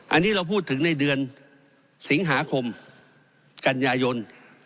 อันนี้เราพูดถึงในเดือนสิงหาคมกันยายน